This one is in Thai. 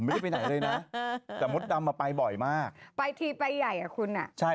มันเกลี่ยไม่ได้ไง